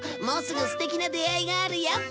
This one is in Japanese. もうすぐすてきな出会いがあるよ。